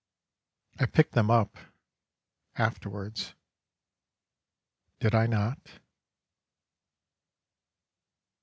I picked them up afterwards did I not?